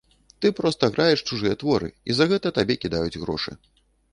Ты проста граеш чужыя творы, і за гэта табе кідаюць грошы.